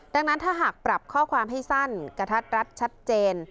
ดังนั้นถ้าหากปรับข้อความให้สั้นกระทัดรัดชัดเจน